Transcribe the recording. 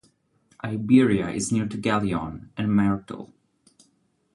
Iberia is near to Galion, and Martel.